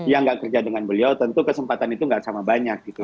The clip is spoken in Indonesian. yang nggak kerja dengan beliau tentu kesempatan itu nggak sama banyak gitu